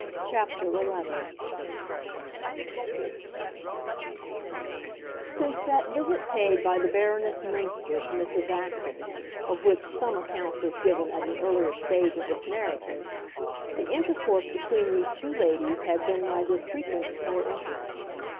CHAPTER XI Since that visit paid by the Baroness Münster to Mrs. Acton, of which some account was given at an earlier stage of this narrative, the intercourse between these two ladies had been neither frequent nor intimate.